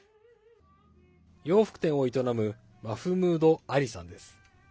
洋服店を営むマフムード・アリさんです。